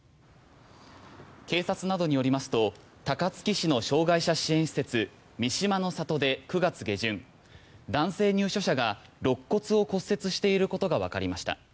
警察などによりますと高槻市の障害者支援施設三島の郷で９月下旬男性入所者がろっ骨をを骨折していることがわかりました。